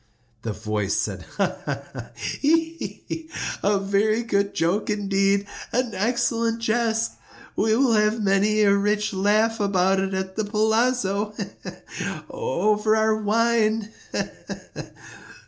The voice said— "Ha! ha! ha!—he! he!—a very good joke indeed—an excellent jest. We will have many a rich laugh about it at the palazzo—he! he! he!—over our wine—he!